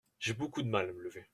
J’ai beaucoup de mal à me lever.